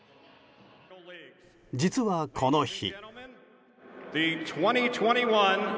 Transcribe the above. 実はこの日。